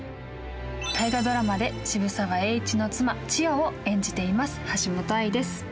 大河ドラマで渋沢栄一の妻千代を演じています、橋本愛です。